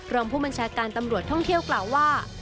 รองผู้บัญชาการตำรวจท่องเที่ยวกล่าวว่า